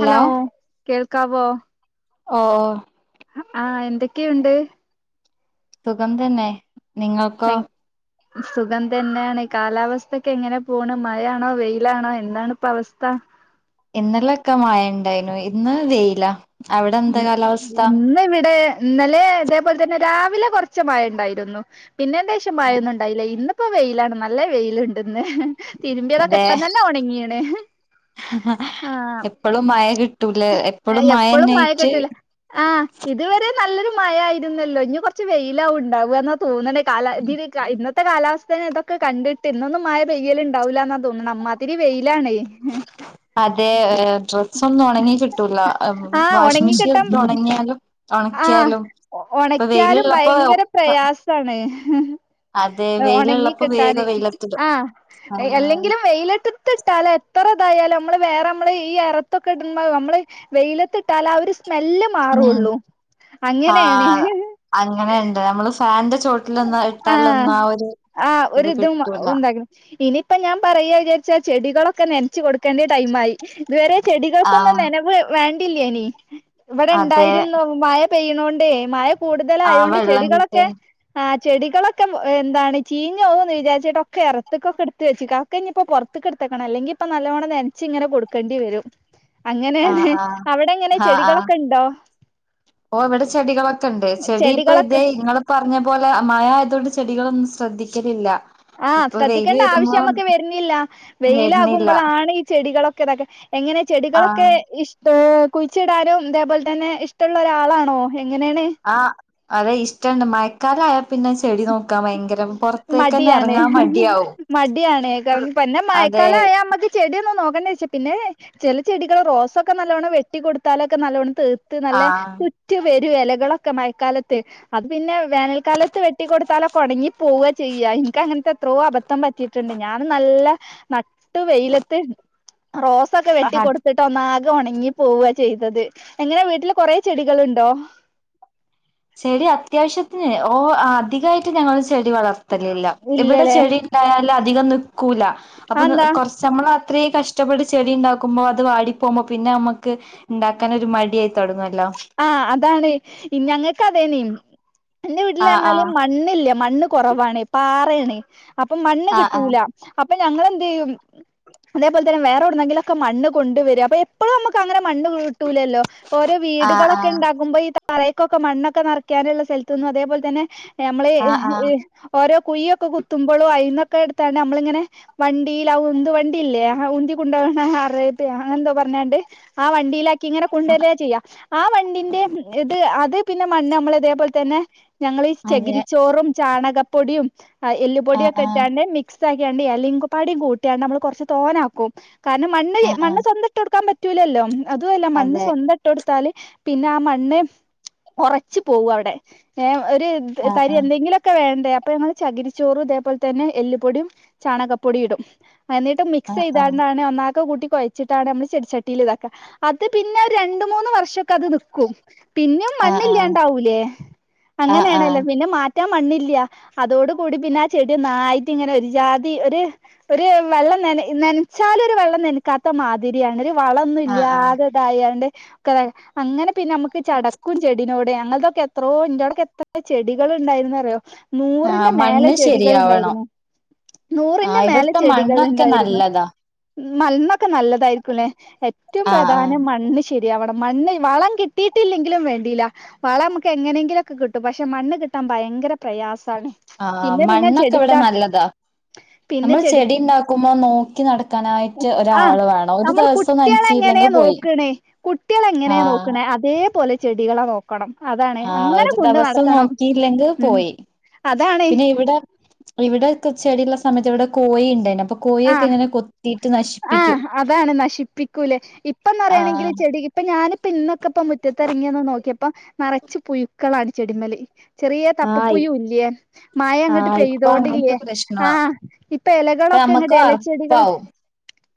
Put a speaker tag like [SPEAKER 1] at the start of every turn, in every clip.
[SPEAKER 1] Hello കേൾക്കാവോ
[SPEAKER 2] ഓഹ്
[SPEAKER 1] ആഹ് എന്തൊക്കെയുണ്ട്.
[SPEAKER 2] സുഖം തന്നെ നിങ്ങൾക്കോ
[SPEAKER 1] സുഖം തന്നെണ് കാലാവസ്ഥക്കെ എങ്ങനെ പോണ് മഴാണോ വെയിലാണോ എന്താണ് പ്പവസ്ഥ.
[SPEAKER 2] ഇന്നെലൊക്കെ മയണ്ടായിനു ഇന്ന് വെയില.
[SPEAKER 1] ഇന്ന് ഇവിടെ ഇന്നലെ തേപോൽ തന്നെ രാവിലെ കൊർച്ച് മയ ഉണ്ടായിരുന്നു പിന്നെന്റെശം മഴൊന്നു ണ്ടായില്ല ഇന്ന്പ്പോ വെയിലാണ് നല്ല വെയിലുണ്ട്ന്ന് തിരുമ്പിയതൊക്കെ ഇപ്പം തന്നെ ഉണങ്ങിണ്.
[SPEAKER 2] എപ്പോളും മഴ കിട്ടൂലേ എപ്പോഴും മഴ
[SPEAKER 1] എപ്പളും
[SPEAKER 2] ന്നൊയിറ്റ്.
[SPEAKER 1] കിട്ടൂല ആഹ് ഇതുവരെ നല്ലൊരു മഴ ആയിരുന്നല്ലോ ഇനി കൊർച്ച് വെയിലാവുണ്ടാവ ന്നൊ തോന്ന്ണ് കാല തില് ക ത്ത കാലാവസ്ഥേെ തൊക്കെ കണ്ടിട്ട് ഇന്നൊന്നും മയ പെയ്യല്ണ്ടാവൂല്ലാന്നാ തോന്ന്ണെ അമ്മാതിരി വെയിലാണേ.
[SPEAKER 2] അതെ ഡ്രസ്സൊന്നും ഒണങ്ങി കിട്ടൂല വാഷി മിഷിൻ
[SPEAKER 1] ട്ടം ആഹ്
[SPEAKER 2] ഇപ്പൊ
[SPEAKER 1] ഒണക്കിയാലും
[SPEAKER 2] വെയിലുള്ളപ്പോ
[SPEAKER 1] ഭയങ്കര
[SPEAKER 2] ഒക്കെ
[SPEAKER 1] പ്രയാ സാണേ
[SPEAKER 2] അതെ
[SPEAKER 1] ഉണങ്ങി
[SPEAKER 2] വെയിലുള്ളപ്പോ
[SPEAKER 1] കിട്ടാന്
[SPEAKER 2] വേഗം വെയിലത്തിടും
[SPEAKER 1] ആഹ്
[SPEAKER 2] ആഹ്
[SPEAKER 1] അല്ലെങ്കിലും വെയിലത്ത് ത്ത്ട്ടാലേ എത്ര തായാലും അമ്മള് വേറെ മ്മള് ഈ ഇറത്തൊക്കെ ഇട്ണമ്മള് വെയിലത്തിട്ടാലാ ആഹ് ഒര് സ്മെല്ല്
[SPEAKER 2] ഉം
[SPEAKER 1] മാറുള്ളൂ അങ്ങനെണ്.
[SPEAKER 2] ഫാൻന്റെ ചോട്ടിലൊന്നും ഇട്ടാലൊന്നും ആഹ്
[SPEAKER 1] ആഹ്
[SPEAKER 2] ഒര്ത്
[SPEAKER 1] ഒരിതും
[SPEAKER 2] കിട്ടൂല.
[SPEAKER 1] ഉണ്ടാകും ഇനിയിപ്പ ഞാ പറയ ജാര്ച്ച ചെടികളൊക്കെ നൻച്ച് കൊടുക്കേണ്ട ടൈമായി. ഇത് വെരെ ചെടികൾക്കൊന്നും
[SPEAKER 2] ആഹ്
[SPEAKER 1] നനവ് വേണ്ടില്ലെനി
[SPEAKER 2] അതെ
[SPEAKER 1] ഇവടെണ്ടായിരുന്നു മഴ പെയ്യണോണ്ടേ മഴ
[SPEAKER 2] ആ
[SPEAKER 1] കൂടുതലായോണ്ട്
[SPEAKER 2] വെള്ളം കിട്ട
[SPEAKER 1] ചെടികളൊക്കെ ആ് ചെികളൊക്കെ എന്താണ് ചീഞ്ഞോവൂന്ന് വിചാരിച്ചിട്ടൊക്കെ ഇറത്ത്ക്കൊക്കെട്ത്ത് വെച്ച്ക്കാ അക്കെഞ്ഞിപ്പോ പൊർ ക്ക് ഇട്ത്തക്കണം അല്ലെങ്കിപ്പ നല്ലോണം നെൻച്ച് ഇങ്ങന കൊട്ക്കെണ്ടി വെരും.
[SPEAKER 2] ആ
[SPEAKER 1] അങ്ങനെണ്
[SPEAKER 2] ആ
[SPEAKER 1] അവെടെങ്ങനെ
[SPEAKER 2] ആ ആ
[SPEAKER 1] ചെടികളൊക്കെണ്ടോ
[SPEAKER 2] ഓ ഇവിടെ ചെടികളൊക്കെണ്ട് ചെടി ഇപ്പെ ഇതേ നിങ്ങള് പർഞ്ഞ പോലെ മഴായതോണ്ട് ചെടികളൊന്നും ശ്രദ്ധിക്കലില്ല.
[SPEAKER 1] ആഹ്
[SPEAKER 2] ഇപ്പൊ വെയില്
[SPEAKER 1] ശ്രദ്ധിക്കേണ്ട
[SPEAKER 2] വരുമ്പോ
[SPEAKER 1] ആവശ്യമ്മക്ക് വര്ന്നില്ല.
[SPEAKER 2] വരുന്നില്ല
[SPEAKER 1] വെയിലാകുമ്പളാണ് ഈ ചെടികളൊക്കെ ഇതാക്ക എങ്ങനെ
[SPEAKER 2] ആ
[SPEAKER 1] ചെടികളൊക്കെ ഇഷ് ഏ കുഴിച്ചിടാനും അതേപോൽ തന്നെ ഇഷ്ടള്ള ഒരാളാണോ എങ്ങനേണ്.
[SPEAKER 2] ആഹ് അതെ ഇഷ്ടണ്ട് മഴക്കാലായാൽ പിന്നെ ചെടി നോക്കാൻ ഭയ
[SPEAKER 1] മടിയാണ് മടിയാണ് കം പിന്നെ
[SPEAKER 2] അതെ
[SPEAKER 1] മഴക്കാലായാ മ്മക്ക് ചെടിയൊന്നും നോക്കണ്ടാച്ച് പിന്നെ ചെല ചെടികൾ റോസൊക്കെ നല്ലവണ്ണം വെട്ടി കൊടുത്താലൊക്കെ നല്ലവണ്ണം തെയ് ത്ത് നല്ലെ കു
[SPEAKER 2] ആ
[SPEAKER 1] റ്റി വരും എലകളൊക്കെ മഴക്കാലത്ത് അത് പിന്നെ വേനൽക്കാലത്ത് വെട്ടി കൊടുത്താലൊക്കെ ഒണങ്ങി പോവ ചെയ്യാ ഇൻക്ക് അങ്ങൻത്തെ എത്രോ അബദ്ധം പറ്റിയിട്ടുണ്ട് ഞാൻ നല്ല നട്ടു വെയിലത്ത് റോസൊക്കെ വെട്ടി കൊടുത്ത് ട്ടൊന്നാകെ ഒണങ്ങി പോവാ ചെയ്തത് എങ്ങനെ വീട്ടില് കൊറെ ചെടികളുണ്ടോ?
[SPEAKER 2] ചെടി അത്യാവശ്യത്തിന് ഓ അധികായിട്ട് ഞങ്ങൾ ചെടി വളർത്തലില്ല ഇവിടെ
[SPEAKER 1] ഇല്ലല്ലേ
[SPEAKER 2] ചെടി ഇണ്ടായാല് അധികം നിക്കൂല അപ്പൊ കൊർ
[SPEAKER 1] അതെന്താ
[SPEAKER 2] കൊറ് ച്ച് നമ്മള് അത്രീം കഷ്ടപ്പെട്ട് ചെടി ഉണ്ടാക്കുമ്പോൾ അത് വാടി പോകുമ്പോ പിന്നെ നമ്മുക്ക്. ഉണ്ടാക്കാൻ ഒരു മടിയായി തൊടങ്ങല്ലോ?
[SPEAKER 1] ആഹ് അതാണ് ഞങ്ങൾക്കതേന്ന്‌ എന്റെ വീട്ടിൽ
[SPEAKER 2] ആഹ്
[SPEAKER 1] പറഞ്ഞാല്
[SPEAKER 2] ആഹ്
[SPEAKER 1] മ ണ്ണില്ലെ മണ്ണ് കുറവാണ് പാറേണ് അപ്പൊ മണ്ണ്
[SPEAKER 2] ആഹ്
[SPEAKER 1] കിട്ടൂല. അപ്പം ഞങ്ങളെന്തെയ്യും. അതേപോലെ തന്ന വേറെവ്ട്ന്നെങ്കിലൊക്കെ മണ്ണ് കൊണ്ട് വെര അപ്പം എപ്പഴും നമ്മക്കങ്ങനെ മണ്ണ് ട്ടൂലല്ലോ ഓരോ വീട്.
[SPEAKER 2] ആഹ്
[SPEAKER 1] പോ ഈ താറേക്കൊക്കെ മണ്ണൊക്കെ ന്നർക്കാനുള്ള സ്ഥല്ത്തിന്നും അതേപോലെ തന്നെ നമ്മള്
[SPEAKER 2] ആഹ് ആഹ് ആഹ് ആഹ്
[SPEAKER 1] ഈ ഓരോ കുഴിയൊക്കെ കുത്തുമ്പോളും അയിന്നൊക്കെ എട്താണ്ട് നമ്മളിങ്ങനെ. വണ്ടീൽ ആ ഉന്ത് വണ്ടിയില്ലേ ഉന്തി കൊണ്ടോണെ അറേബ്യ അങ്ങനെന്തോ പറഞ്ഞാണ്ട്. ആ വണ്ടിയിലാ ക്കിങ്ങനെ കൊണ്ട് വെര്ലാ ചെയ്യാ ആ മണ്ണിന്റെ ഇത് അത് പിന്നെ മണ്ണ് നമ്മൾ ഇതേപോലെ തന്നെ. ഞങ്ങളീ
[SPEAKER 2] അതെ
[SPEAKER 1] ചെകിരിച്ചോറും ചാണകപ്പൊടിയും
[SPEAKER 2] ആഹ്
[SPEAKER 1] എല്ലുപൊടിയും ഒക്കെ
[SPEAKER 2] ആഹ്
[SPEAKER 1] ഇട്ടാണ്ട് മിക് സ്സാക്കികാൻഡ്‌ എലിം ഒക്കപ്പാടിം കൂട്ടിയാണ്ട് നമ്മൾ കൊറ്ച്ച് തോനാക്കും കാരണം മണ്ണ്
[SPEAKER 2] ആഹ്
[SPEAKER 1] മണ്ണ്
[SPEAKER 2] ആഹ്
[SPEAKER 1] സ്വന്തം ഇട്ട് കൊടുക്കാൻ പറ്റൂലല്ലോ അതും അല്ല മണ്
[SPEAKER 2] അതെ
[SPEAKER 1] സ്വന്ത ഇട്ട് കൊടുത്താല്. പിന്നെ ആ മണ്ണ് ഉറച്ച് പോവും അവിടെ ഏ ഒരു.
[SPEAKER 2] ആഹ്
[SPEAKER 1] തരി എന്തെങ്കിലുംഒക്കെ വേണ്ടേ. അപ്പം ഞങ്ങൾ ചകിരിച്ചോറും അതേപോലെ തന്നെ എല്ലുപൊടിയും ചാണകപ്പൊടി ഇടും. എന്നിട്ട് മിക്സ്
[SPEAKER 2] ആഹ് ആഹ്
[SPEAKER 1] ചെയ്താണ്ടാണ് ഒന്നാക്ക കൂട്ടി കൊയ് ച്ചിട്ടാണ് നമ്മള് ചെടിച്ചട്ടിയിൽ ഇതാക്ക അത് പിന്നെ ഒരു രണ്ട് മൂന്ന് വർഷം ഒക്കെ അത് നിൽക്കും. പിന്നേ
[SPEAKER 2] ആഹ് ആഹ് ആഹ്
[SPEAKER 1] മണ്ണില്ലാണ്ടാവൂലേ
[SPEAKER 2] ആഹ് ആഹ്
[SPEAKER 1] അങ്ങനെയാണല്ലോ പിന്നെ മാ റ്റാം മണ്ണില്ല അതോട് കൂടി പിന്നെ ആ ചെടി ഒന്നായിട്ട് ഇങ്ങനെ ഒരു ജാതി ഒര്. ഒരു വെള്ളം ന്നന ന്നനച്ചാല് ഒരു വെള്ളം നനകാ ത്ത മാതിരിയാണ് ഒര് വളം ഒന്നും
[SPEAKER 2] ആഹ് ആഹ്
[SPEAKER 1] ഇല്ലാതെ തായാണ്ട് ഒക്കെതാ അങ്ങനെ പിന്നെ നമുക്ക് ചടക്കും ചെടിനോട് ഞങ്ങൾതൊക്കെ എത്രോ ഇന്റോടെകെ എത്ര ചെടികൾ ഉണ്ടായിരുന് അറിയോ.
[SPEAKER 2] ആഹ്
[SPEAKER 1] നൂറിന്റെ മേലെ
[SPEAKER 2] മണ്ണ്
[SPEAKER 1] ചെടികൾ
[SPEAKER 2] ശരിയാവണം
[SPEAKER 1] ഉണ്ടായിരുന്നു. നൂറിന്റെ
[SPEAKER 2] ആഹ്
[SPEAKER 1] മേലെ
[SPEAKER 2] ഇവിടുത്തെ
[SPEAKER 1] ചെടികൾ
[SPEAKER 2] മണ്ണൊക്കെ
[SPEAKER 1] ഉണ്ടായിരുന്നു.
[SPEAKER 2] നല്ലതാ
[SPEAKER 1] മല്മൊക്കെ നല്ലതായിരിക്കുംല്ലേ ഏറ്റവും
[SPEAKER 2] ആഹ് ആഹ്
[SPEAKER 1] പ്രധാനം മണ്ണ് ശരിയാവണം മണ്ണ്. വളം കിട്ടിയിട്ടില്ലെങ്കിലും വേണ്ടില. വളം മ്മക്ക് എങ്ങനെങ്കിലുംഒക്കെ കിട്ടും പക്ഷെ മണ്ണ് കിട്ടാൻ ഭയങ്കര പ്രയാസാണ്.
[SPEAKER 2] ആഹ്
[SPEAKER 1] പിന്നെ പിന്നെ
[SPEAKER 2] മണ്ണൊക്കെ ഇവിടെ
[SPEAKER 1] ചെടിക്കാ
[SPEAKER 2] നല്ലതാ. നമ്മള് ചെടി ഉണ്ടാക്കുമ്പോ നോക്കി നടത്താന്നായിട്ട്
[SPEAKER 1] ആഹ്
[SPEAKER 2] ഒരാള് വേണം ഒരു ദിവസം ന്നനച്ചില്ലെങ്കി പോയി.
[SPEAKER 1] ക്ണ് കുട്ടികളെ എങ്ങനേ
[SPEAKER 2] ആഹ്
[SPEAKER 1] നോക്ണെ‌ അതേപോലെ ചെടികളെ നോ ക്കണം അതാ
[SPEAKER 2] ആഹ് ഒരു ദിവസം നോക്കിയില്ലെങ്കിൽ
[SPEAKER 1] ഉം
[SPEAKER 2] പോയി
[SPEAKER 1] അതാണ്
[SPEAKER 2] പിന്നെ ഇവിടെ. ഇവിടെച്ചെടിയള്ള സമയത്ത് ഇവിടെ കോയി ഉണ്ടയ്ന്നു.
[SPEAKER 1] ആഹ ആ അതാണ് നശിപ്പിക്കൂലേ ഇപ്പന്നര്യയാണെങ്കിൽ
[SPEAKER 2] ആഹ്
[SPEAKER 1] ചെടി. ഇപ്പൊ ഞാനിപ്പോ ഇന്നൊക്കെ ഇപ്പ മുറ്റത്തിറങ്ങിയന്ന് നോക്കിയപ്പ നിറച്ച് പുഴുക്കളാണ് ചെടിമല്. ചെറിയ
[SPEAKER 2] ആഹ്
[SPEAKER 1] തപ്പപ്പൊപുയു ഇല്ലെ. മയ അങ്ങോട്ട്
[SPEAKER 2] ആഹ് ഇപ്പൊ അങ്ങനത്തെ
[SPEAKER 1] പെയ്തോണ്ടില്ലേ
[SPEAKER 2] പ്രശ്നവാ
[SPEAKER 1] ആഹ ഇപ്പൊ ഇലകളൊക്കെ
[SPEAKER 2] നമ്മക്ക്
[SPEAKER 1] അങ്ങട്ട് ഇലച്ചെടികള്.
[SPEAKER 2] അറപ്പാവും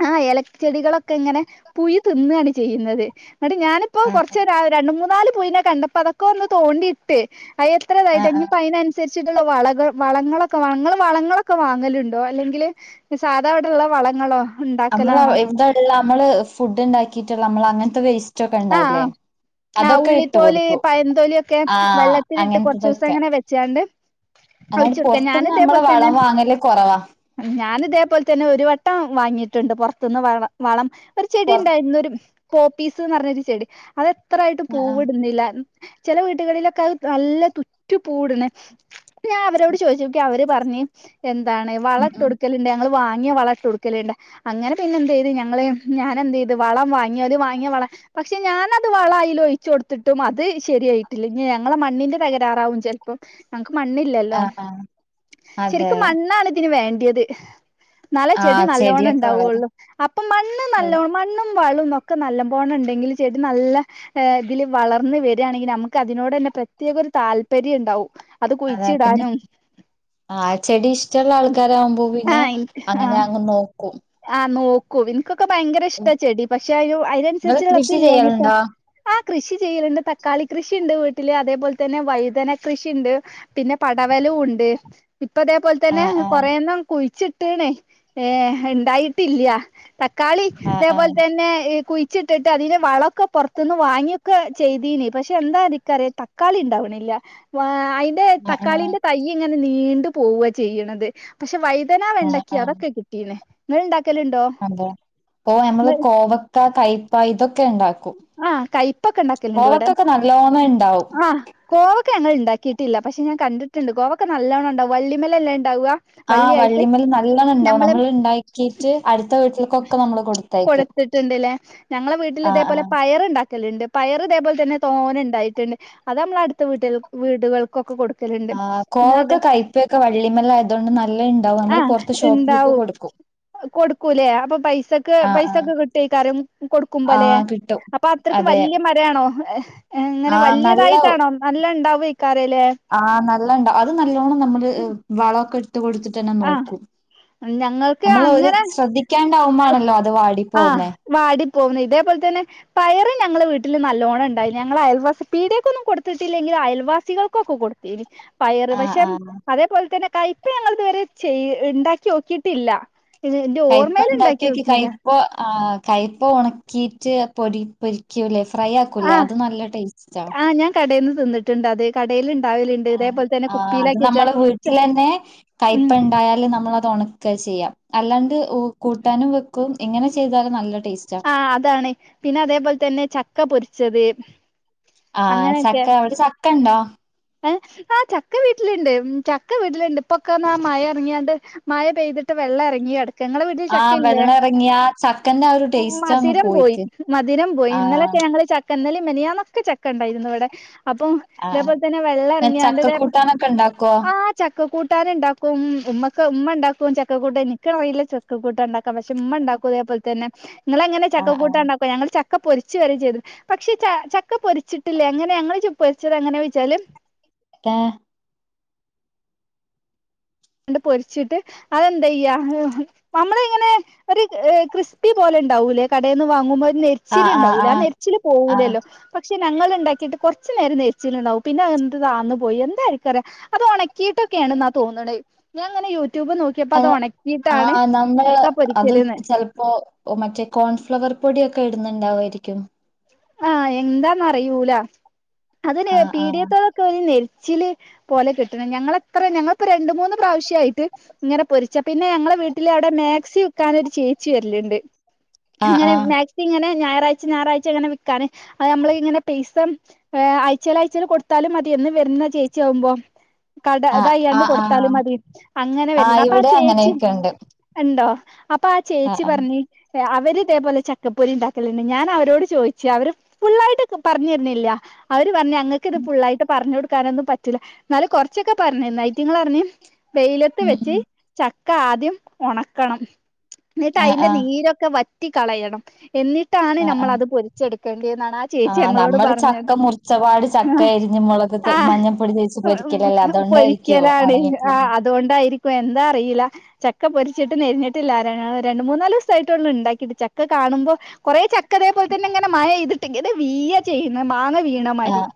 [SPEAKER 1] ആ എലച്ചെടികളൊക്കെ ഇങ്ങനെ പുയു തിന്നാണ് ചെയ്ന്നത്. ന്നിട്ട് ഞാനിപ്പോ
[SPEAKER 2] ആഹ്
[SPEAKER 1] കുറച്ച് രണ്ട് മൂനാല് പുയുനെ കണ്ടപ്പോ അതൊക്കെ ഒന്ന് തോണ്ടിയിട്ട് അ അത്രായി
[SPEAKER 2] ആഹ് ആഹ്
[SPEAKER 1] പയിന അനുസരിച്ചിട്ടുള്ള വള വളങ്ങളൊക്കെ വാണം വളങ്ങളൊക്കെ വാങ്ങലുണ്ടോ അല്ലെങ്കില്. സാധാ അവിടെള്ള വളങ്ങളോ?
[SPEAKER 2] നമ്മള്
[SPEAKER 1] ഉണ്ടാക്കലാണോ
[SPEAKER 2] ഇവിതള്ള നമ്മള് ഫുഡ് ഉണ്ടാക്കീട്ട നമ്മള് അങ്ങനത്തെ വേസ്റ്റ് ഒക്കെ
[SPEAKER 1] ആഹ്
[SPEAKER 2] ഉണ്ടാവൂല്ലേ.
[SPEAKER 1] ആഹ് ആഹ്
[SPEAKER 2] അതൊക്കെ ഇട്ടു
[SPEAKER 1] ഉള്ളിത്തോല്
[SPEAKER 2] കൊടുകും
[SPEAKER 1] പയംന്തോലിയൊക്കെ
[SPEAKER 2] ആഹ
[SPEAKER 1] വെള്ളത്തിലിട്ട് കൊറച്ചൂസം
[SPEAKER 2] അങ്ങനത്തതൊക്കെ.
[SPEAKER 1] ഇങ്ങനെ വെച്ചാണ്ട്
[SPEAKER 2] അങ്ങാനെ
[SPEAKER 1] ഒഴിച്ചൊടുക്ക
[SPEAKER 2] പൊറത്ന്ന് നമ്മള് വളം വാങ്ങല് കൊറവാ.
[SPEAKER 1] ഞാനിതേപോലെ തന്നെ ഒരു വട്ടം വാങ്ങിയിട്ടുണ്ട് പുറത്തുന്ന് വളം. വളം ഒരു ചെടി
[SPEAKER 2] പൊറ
[SPEAKER 1] ഇണ്ടായിരുന്നു ഒരു പോപ്പീസ്ന്ന് പറഞ്ഞൊരു ചെടി അത് എത്രായിട്ടും
[SPEAKER 2] ആഹ് ആഹ്
[SPEAKER 1] പൂവിടുന്നില്ല ചില വീടുകളിലൊക്കെ അത് നല്ല തുറ്റ് പൂവിട്ണ ട്ട് ഞാൻ അവരോട് ചോദിച്ചോക്കി അവര് പറഞ്ഞ് എന്താണ് വള
[SPEAKER 2] ഉം ഉം
[SPEAKER 1] ഇട്ടൊട്ക്കല് ണ്ട് ഞങ്ങള് വാങ്ങിയ വളം ഇട്ടൊട്ക്കല്ണ്ട് അങ്ങനെ പിന്നെ എന്തെയ്ത് ഞങ്ങള് ഞാനെന്തെയ്ത് വളം വാങ്ങി ഓല് വാങ്ങിയ വളം പക്ഷെ ഞാനത് വള അയില് ഒഴിച്ചൊട്ത്തിട്ടും അത് ശരിയായിട്ടില്ല ഇനി ഞങ്ങളെ മണ്ണിന്റെ തകരാറാവും വിജാരിച്ച് അപ്പം നങ്ങക്ക് മണ്ണില്ലല്ലോ
[SPEAKER 2] ആഹ് ആഹ് അതെ
[SPEAKER 1] ശെരിക്കും മണ്ണാണ് ഇതിന് വേണ്ടിയത് ഇന്നാലെ ചെടി
[SPEAKER 2] ആഹ്
[SPEAKER 1] നല്ലോണം
[SPEAKER 2] ചെടിയൊക്കെ വളരും
[SPEAKER 1] ഇണ്ടാവുള്ളു അപ്പൊ മണ്ണ്
[SPEAKER 2] അതെ
[SPEAKER 1] നല്ലോം മണ്ണ് ക്കും വളും ഒക്കെ നല്ല പോണണ്ടെങ്കിൽ ചെടി നല്ല ഏ ഇതില് വളർന്ന് വരിയാണെങ്കിൽ നമുക്ക് അതിനോടെന്നെ പ്രത്യേക ഒരു താല്പര്യം ഇണ്ടാവും.
[SPEAKER 2] അതാ പിന്നെ ആ ചെടി ഇഷ് ഇഷ്ടള്ള ആൾക്കാരാകുമ്പോ
[SPEAKER 1] ആ
[SPEAKER 2] പിന്നെ
[SPEAKER 1] എനിക്ക് ആ
[SPEAKER 2] അങ്ങനെ അങ്ങ് നോക്കും.
[SPEAKER 1] ആഹ് നോക്കൂ എനിക്കൊക്കെ ഭയങ്കര ഇഷ്ടാ ചെടി പക്ഷെ അ
[SPEAKER 2] ഇങ്ങള്
[SPEAKER 1] അതിനനുസരിച്ച്
[SPEAKER 2] കൃഷി
[SPEAKER 1] ള്ളതില്ലാഞ്ഞിട്ടാ.
[SPEAKER 2] ചെയ്യലുണ്ടോ
[SPEAKER 1] ആ കൃഷി ചെയ്യല്ണ്ട് തക്കാളി കൃഷിണ്ട് വീട്ടില് അതേപോലെ തന്നെ വൈതന കൃഷിണ്ട് പിന്നെ പടവലൂണ്ട് ഇപ്പതേ അതുപോലെ തന്നെ
[SPEAKER 2] ആഹ് ആഹ്
[SPEAKER 1] കൊറേന്നം കുഴിച്ചിട്ട്ണ് ഏ ഇണ്ടായിട്ടില്ല ത ക്കാളി
[SPEAKER 2] ആഹ് ആഹ്
[SPEAKER 1] ഇതേപോലെ തന്നെ കുയി കുയിച്ചിട്ടിട്ട് അതിനെ വളൊക്കെ പൊർത്ത്ന്ന് വാങ്ങിയൊക്കെ ചെയ്തീനി പക്ഷെ എന്താ അതിക്കറിയ തക്കാളി ഇണ്ടാവണില്ല. [unintelligible] ൻ്റെ
[SPEAKER 2] ആഹ് ആഹ്
[SPEAKER 1] തക്കാളീന്റെ തയ്യ് ഇങ്ങനെ നീണ്ട് പോവാ ചെയ്യണത് പക്ഷെ വൈതനാ
[SPEAKER 2] ആഹ്
[SPEAKER 1] വെണ്ടക്ക
[SPEAKER 2] ആഹ്
[SPEAKER 1] അതൊക്കെ കിട്ട ട്ടീണ് ഇങ്ങള് ഇണ്ടാക്കല് ഇണ്ടോ.
[SPEAKER 2] അതെ പ്പൊ നമ്മള് കോവക്ക കയ്പ്പ ഇതൊക്കെ ഇണ്ടാക്കും.
[SPEAKER 1] ആഹ് കൈപ്പൊക്കെ ഇണ്ടാക്കല് ഇണ്ട് ഇവടെ
[SPEAKER 2] കോവക്കൊക്കെ നല്ലോണം ഇണ്ടാവും
[SPEAKER 1] ആഹ്. കോവൊക്ക ഞങ്ങള് ഉണ്ടാക്കിയിട്ടില്ല പക്ഷെ ഞാൻ കണ്ടിട്ടുണ്ട് കോവൊക്ക നല്ലവണം ഇണ്ടാവും വള്ളിമലല്ലേ അത്ണ്ടാവാ.
[SPEAKER 2] ആഹ് വള്ളിമൽ നല്ലണം ഉണ്ടാവും നമ്മള് ഇണ്ടാക്കീട്ട് അടുത്ത വീട്ട
[SPEAKER 1] കൊടുത്തിട്ടുണ്ട് ല്ലേ ഞങ്ങളെ വീട്ടിൽ
[SPEAKER 2] ആഹ് ആഹ്
[SPEAKER 1] ഇതേപോലെ പയറ് ഇണ്ടാക്കല്ണ്ട് പയറ് ഇതേപോലെ തന്നെ തോന ഉണ്ടായിട്ടുണ്ട് അത് നമ്മള് അടുത്ത വീട്ടിൽ വീടുകൾക്കൊക്കെ കൊടുക്കലുണ്ട്
[SPEAKER 2] ആഹ്
[SPEAKER 1] പിന്നെ
[SPEAKER 2] കോവക്ക
[SPEAKER 1] അതെ
[SPEAKER 2] കയ്പൊക്കെ വള്ളിമലായതുകൊണ്ട് നല്ല ഇണ്ടാവും നമ്മള് പൊർ ഷോപ്പിൽ ക്ക് കൊടുക്കും
[SPEAKER 1] കൊടുക്കു ലേ അപ്പം പൈസക്ക്
[SPEAKER 2] ആഹ് ആഹ്
[SPEAKER 1] പൈസൊക്കെ കിട്ടെയ്ക്കാരം കൊടുക്കുമ്പോ ലെ
[SPEAKER 2] ആഹ് കിട്ടും
[SPEAKER 1] അപ്പം അത്രക്ക്
[SPEAKER 2] അതെ
[SPEAKER 1] വല്ലൃ മരാണോ ഇങ്ങനെ
[SPEAKER 2] ആഹ്
[SPEAKER 1] വല്ല്യ
[SPEAKER 2] നല്ല
[SPEAKER 1] തായിട്ടാണോ നല്ല ഇണ്ടാവൊയിക്കാരം ല്ലേ.
[SPEAKER 2] ആഹ് നല്ലണ്ടാ അത് നല്ലോണം നമ്മള് വളൊക്കെ ഇട്ട് കൊടുത്തിട്ടെന്നെ
[SPEAKER 1] ആഹ്
[SPEAKER 2] നോക്കും.
[SPEAKER 1] ഞങ്ങൾക്ക്
[SPEAKER 2] നമ്മൾ ഒരു
[SPEAKER 1] അങ്ങനെ
[SPEAKER 2] ശ്രദ്ധിക്കാണ്ടാവുബോ ആണല്ലോ അത് വാടിപ്പോകുന്നേ.
[SPEAKER 1] വാടിപ്പോകുന്നത് ഇതേപോലെ തന്നെ പയറ് ഞങ്ങളെ വീട്ടില് നല്ലോണം ഇണ്ടായി ഞങ്ങള് അയൽവാസി പീടേക്കൊന്നും കൊടുത്തിട്ടില്ലെങ്കിൽ അയൽവാസികൾക്കൊക്കെ കൊടുക്കും. [unintelligible] പയറ്
[SPEAKER 2] ആഹ്
[SPEAKER 1] പക്ഷെ
[SPEAKER 2] ആഹ്
[SPEAKER 1] അതേപോലെ തന്നെ കൈപ്പ ഞങ്ങള് ഇതുവരെ ചെയ ഇണ്ടാക്കി നോക്കിട്ടില്ല
[SPEAKER 2] കയ്പ്പ ഇണ്ടാക്കിയോക്കി കയ്പ ആഹ് കയ്പ്പ ഉണക്കീട്ട് പൊരി പൊരിക്കൂലേ ഫ്രൈ ആക്കൂലേ
[SPEAKER 1] ആഹ്
[SPEAKER 2] അത് നല്ല ടേസ്റ്റാ
[SPEAKER 1] ആഹ് ഞാൻ കടേന്ന് തിന്നിട്ട്ണ്ട് അത് കടേല് ഇണ്ടാവല്ണ്ട്
[SPEAKER 2] ആഹ് ആഹ് അത് നമ്മളെ വീട്ടിലെന്നെ കയ്പ്പ
[SPEAKER 1] ഉം
[SPEAKER 2] ഇണ്ടായാല് നമ്മളത് ഒണ ക്ക ചെയ്യാ അല്ലാണ്ട് കൂട്ടാനും വെക്കും എങ്ങനെ ചെയ്താലും നല്ല ടേസ്റ്റാ
[SPEAKER 1] ആഹ് അതാണ് പിന്നെ അതേപോലെതന്നെ ചക്ക പൊരിച്ചത്
[SPEAKER 2] ആഹ്
[SPEAKER 1] അങ്ങനെയൊക്കെ
[SPEAKER 2] ചക്ക അവിടെ ചക്കണ്ടോ
[SPEAKER 1] ഏ ആഹ് ചക്ക വീട്ടില്ണ്ട് ചക്ക വീട്ടിലുണ്ട് ഇപ്പൊക്കെന്നാ മഴ എറങ്ങിയാണ്ട് മഴ പെയ്തിട്ട് വെള്ളം ഇറങ്ങിക്കെട്
[SPEAKER 2] ആഹ് വെള്ളം ഇറങ്ങി ആ ചക്കൻ്റെ അ
[SPEAKER 1] മധുരം പോയി മധുരം പോയി
[SPEAKER 2] ആഹ്
[SPEAKER 1] ഇന്നലൊക്കെ ഞങ്ങള് ച ക്ക ഇന്നലിം മിനിയാന്നൊക്കെ ചക്ക ഇണ്ടായിരുന്നു ഇവടെ അപ്പം
[SPEAKER 2] ആഹ്
[SPEAKER 1] തേപോലെ തന്നെ വെള്ള
[SPEAKER 2] ആഹ് ചക്ക
[SPEAKER 1] റങ്ങിയാണ്ട്തെ
[SPEAKER 2] കൂട്ടാനൊക്കെ ഇണ്ടാക്കോ
[SPEAKER 1] ചക്ക കൂട്ടാന ഉണ്ടാക്കും ഉമ്മക്കക്ക് ഉമ്മ ഉണ്ടാക്കും ചക്ക കൂട്ടാന് എനിക്കറിയില്ല ചക്ക കൂട്ട ഉണ്ടാക്കാം പക്ഷെ ഉമ്മ ഉണ്ടാക്കും അതേപോലെ തന്നെ നിങ്ങെളെങ്ങനെ ചക്ക
[SPEAKER 2] ആഹ്
[SPEAKER 1] കൂട്ടാ
[SPEAKER 2] ആഹ്
[SPEAKER 1] ഉണ്ടാക്കോ ഞങ്ങള് ചക്ക പൊരിച്ചു വരെ ചെയ്തു പക്ഷെ ച ചക്ക പൊരിച്ചിട്ടില്ലേ ങ്ങനെ ഞങ്ങള് പൊരിച്ചത് എങ്ങനെ വെച്ചാല്
[SPEAKER 2] ഏ
[SPEAKER 1] ണ്ട് പൊരിച്ചിട്ട് അതെന്തായ്യ നമ്മള് ഇങ്ങനെ ഒരു ക്രിസ്പി പോലെ ഉണ്ടാവൂലേ കടയിൽന്ന് വാങ്ങുമ്പോ
[SPEAKER 2] ആഹ് ആഹ്
[SPEAKER 1] ശീലുണ്ടാവൂല്ല ആ
[SPEAKER 2] ആഹ്
[SPEAKER 1] നെരിച്ചിലില്
[SPEAKER 2] ആഹ്
[SPEAKER 1] പോവൂലല്ലോ പക്ഷെ ഞങ്ങൾ ഉണ്ടാക്കിയിട്ട് കുറച്ച് നേരം നേരിച്ചിൽണ്ടാവും പിന്നെ എന്ത്‌താന്നു പോയി എന്തായിരിക്കുംറ അത് ഉണക്കിയിട്ടൊക്കെയണെന്നാ തോന്നണേ ഞാൻ ഇങ്ങെനെ യൂട്യൂബ് നോക്കി ക്കിയപ്പ അത്
[SPEAKER 2] ആഹ്
[SPEAKER 1] ഉണക്കിയിട്ടാണ്
[SPEAKER 2] ആഹ് നമ്മള്
[SPEAKER 1] ചക്ക
[SPEAKER 2] അത്
[SPEAKER 1] പൊരിക്കില്ന്ന്
[SPEAKER 2] ചെലപ്പോ മറ്റേ കോൺഫ്ലവർ പൊടിയൊക്കെ ഇടുന്നുണ്ടാവുമായിരിക്കും
[SPEAKER 1] ആഹ എന്താന്നറിയൂല അത്
[SPEAKER 2] ആഹ് ആഹ്
[SPEAKER 1] പീടിയത്തോളൊക്കെ ഒരു നെരിച്ചില് പോലെ കിട്ടണം ഞങ്ങളെത്രെ ഞങ്ങിളിപ്പോ രണ്ട് മൂന്ന് പ്രാവശ്യയിട്ട് ഇങ്ങനെ പൊരിച്ച പിന്നെ ഞങ്ങളെ വീട്ടിൽ അവിടെ മാക്സി വക്കാനൊരു ചേച്ചി വരലുണ്ട്
[SPEAKER 2] ആഹ്
[SPEAKER 1] ഇങ്ങനെ
[SPEAKER 2] ആഹ്
[SPEAKER 1] മാക്സി ഇങ്ങനെ ഞായറാഴ്ച ഞായറാഴ്ച അങ്ങനെ വിൽക്കാന് അത് നമ്മള് ഇങ്ങനെ പൈസ ഏ ആഴ്ചയിൽ അയച്ചയിൽ കൊടുത്താലും മതിയൊന്ന് വരുന്ന ചേച്ചി ആവുമ്പോ കട
[SPEAKER 2] ആഹ്
[SPEAKER 1] അതയ്യാന്ന്
[SPEAKER 2] ആഹ് ആഹ്
[SPEAKER 1] കൊടുത്താലും മതി അങ്ങനെ വരണ
[SPEAKER 2] ആഹ്
[SPEAKER 1] അപ്പൊ ആ
[SPEAKER 2] ഇവിടെ
[SPEAKER 1] ചേച്ചി
[SPEAKER 2] അങ്ങനെയൊക്കെ ഉണ്ട്
[SPEAKER 1] ഉണ്ടോ അപ്പൊ ആ
[SPEAKER 2] ആഹ്
[SPEAKER 1] ചേച്ചി
[SPEAKER 2] ആഹ്
[SPEAKER 1] പറഞ്ഞ് അവര് ഇതേപോലെ ചക്കപ്പൊരി ഉണ്ടാക്കലുണ്ട് ഞാൻ അവരോട് ചോദിച്ചവര് ഫുള്ള ആയിട്ട് പറഞ്ഞിരുന്നില്ല അവര് പറഞ്ഞ് അങ്ങൾക്ക് ഇത് ഫുള്ളായിട്ട് പറഞ്ഞു കൊടുക്കാനൊന്നും പറ്റില്ല എന്നാല് കൊറച്ചൊക്കെ പറഞ്ഞന്നേ നൈറ്റങ്ങൾറിഞ്ഞ വെയിലത്ത്
[SPEAKER 2] ഉം
[SPEAKER 1] വെച്ച്
[SPEAKER 2] ഉം
[SPEAKER 1] ചക്ക ആദ്യം ഒണക്കണം ന്നിട്ട്
[SPEAKER 2] ആഹ്
[SPEAKER 1] അയിന്റെ
[SPEAKER 2] ആഹ്
[SPEAKER 1] നീരൊക്കെ വറ്റി കളയണം എന്നിട്ടാണ്
[SPEAKER 2] ആഹ് ആഹ്
[SPEAKER 1] നമ്മളത് പൊരിച്ചെടുക്കേണ്ടിന്നാണ്
[SPEAKER 2] ആഹ് നമ്മള് ചക്ക മുറിച്ചപാട് ചക്ക അരിഞ്ഞ് മുളകത്ത് മഞ്ഞൾപ്പൊടി തേച്ച് പൊരിക്കലല്ലേ അതൊണ്ടായിരിക്കും
[SPEAKER 1] താണ് ആഹ അതുകൊണ്ടായിരിക്കും എന്താ അറിയില്ല ചക്ക പൊരിച്ചിട്ട് നെരിഞ്ഞിട്ടില്ലാര രണ്ട് മൂന്നാല് ദിവസ ആയിട്ടൊള്ളൂ ഉണ്ടാക്കിയിട്ട് ചക്ക കാണ്മ്പോ കുറെ ചക്കതേപോലെ തന്നെ ഇങ്ങനെ മഴ പെയ്തിട്ടെങ്ങനെ വീയ ചെയ്യുന്നത് മാങ്ങ വീ ടി
[SPEAKER 2] ആഹ്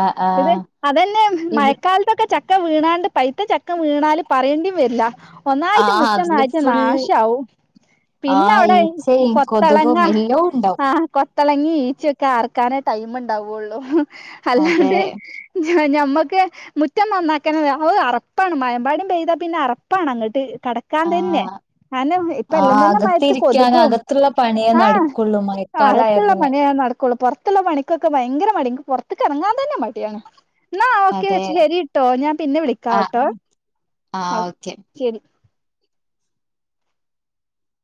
[SPEAKER 2] ആഹ്
[SPEAKER 1] ഇത്
[SPEAKER 2] ആഹ്
[SPEAKER 1] അതന്നെ
[SPEAKER 2] ഇവി
[SPEAKER 1] മയക്കാല് ത്തോക്കെ ചക്ക വീണാണ്ട് പൈത്ത ചക്ക വീണല് പറയേണ്ടി വരില്ല ഒന്നായിട്ട്
[SPEAKER 2] ആഹ് അതില്
[SPEAKER 1] മുറ്റനയിട്ട്
[SPEAKER 2] ഫുൾ
[SPEAKER 1] നാശവും
[SPEAKER 2] ആഹ്
[SPEAKER 1] പിന്നെവിടെ
[SPEAKER 2] ഈച്ചയും
[SPEAKER 1] കൊത്തളങ്ങ
[SPEAKER 2] കൊതുകും എല്ലോം ഉണ്ടാവും
[SPEAKER 1] ആഹ കൊത്തളങ്ങി ഈച്ചയൊക്കെ ആർക്കാനേ ടൈം ഉണ്ടാവുള്ളൂ
[SPEAKER 2] അതെ
[SPEAKER 1] അല്ലാണ്ട് ജ്ച്ച ഞമ്മക്കെ മുറ്റം നന്നാക്കണത് അത് അറപ്പാണ് മായമ്പാടം പെയ്താ പിന്നെ അറപ്പാണ് അങ്ങട്ട് കട ക്കാൻ തന്നെ
[SPEAKER 2] ആഹ്
[SPEAKER 1] ആനേ ഇപ്പ എല്ലാം
[SPEAKER 2] ആഹ്
[SPEAKER 1] തന്നെ മയത്ത്
[SPEAKER 2] അകത്തിരിക്കാൻ
[SPEAKER 1] കൊതുകും
[SPEAKER 2] അകത്തുള്ള പണിയേ
[SPEAKER 1] ആഹ
[SPEAKER 2] [inaudible]
[SPEAKER 1] അകത്തുള്ള
[SPEAKER 2] പിന്നെ
[SPEAKER 1] പണിയ നടക്കുള്ളൂ പുറത്തുള്ള പണിക്കൊക്കെ ഭയങ്കര മടി എക്ക് പുറത്തകെറങ്ങാൻ തന്നെ മടിയാണ് ന്നാ ഓക്കെ
[SPEAKER 2] അതെ
[SPEAKER 1] ശരിട്ടോ ഞാൻ പിന്നെ
[SPEAKER 2] ആഹ്
[SPEAKER 1] വിളിക്കാവട്ടോ
[SPEAKER 2] ആഹ്
[SPEAKER 1] അഹ്
[SPEAKER 2] ഓക്കെ
[SPEAKER 1] ശരി